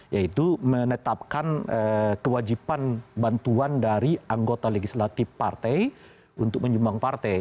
yaitu menetapkan kewajiban bantuan dari anggota legislatif partai untuk menyumbang partai